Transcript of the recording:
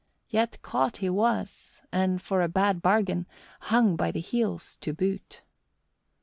Yet caught he was, and, for a bad bargain, hung by the heels to boot.